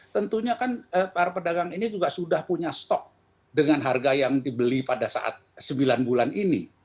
tentunya kan para pedagang ini juga sudah punya stok dengan harga yang dibeli pada saat sembilan bulan ini